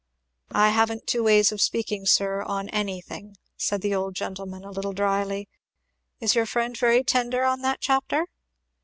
"I haven't two ways of speaking, sir, on anything," said the old gentleman a little dryly. "Is your friend very tender on that chapter?"